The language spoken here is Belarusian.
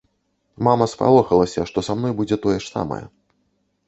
Мама спалохалася, што са мной будзе тое ж самае.